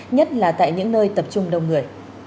nhất là tại những nơi tập trung đông người